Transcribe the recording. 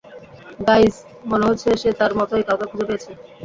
Guys, মনে হচ্ছে সে তার মতোই কাউকে খুঁজে পেয়েছে।